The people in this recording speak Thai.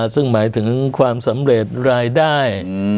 ซึ่งหมายถึงความสำเร็จรายได้